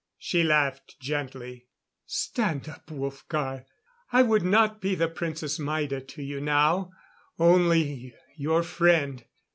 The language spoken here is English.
She laughed gently. "Stand up, Wolfgar. I would not be the Princess Maida to you now. Only your friend.